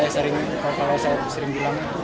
saya sering bilang berani